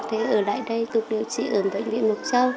thế ở lại đây tục điều trị ở bệnh viện mộc châu